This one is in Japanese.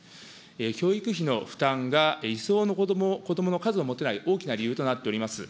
教育費の負担が理想の数の子どもを持てない大きな理由となっております。